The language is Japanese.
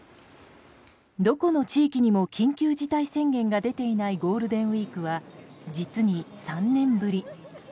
どこの地域にも緊急事態宣言が出ていないゴールデンウィークは実に３年ぶり。